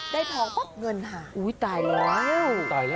ได้ทองป๊อปเงินห่างอุ้ยตายแล้ว